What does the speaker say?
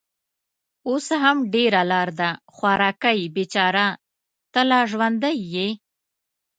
اوس هم ډېره لار ده. خوارکۍ، بېچاره، ته لا ژوندۍ يې؟